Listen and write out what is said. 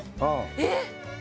えっ！